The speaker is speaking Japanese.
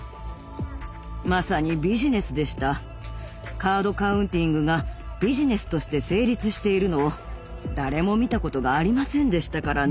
カード・カウンティングがビジネスとして成立しているのを誰も見たことがありませんでしたからね。